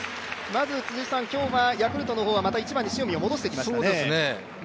まず、今日はヤクルトの方は１番に塩見を戻してきましたね。